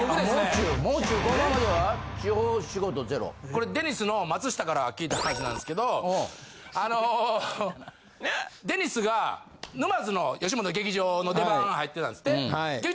これデニスの松下から聞いた話なんですけどあのデニスが沼津のよしもと劇場の出番入ってたんですって。